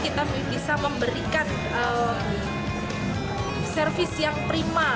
kita bisa memberikan servis yang prima